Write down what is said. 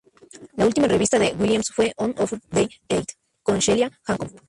La última revista de Williams fue "One over the Eight", con Sheila Hancock.